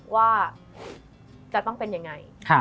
ว่าจะต้องเป็นยังไง